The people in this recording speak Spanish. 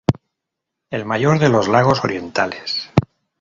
El mayor de los lagos orientales.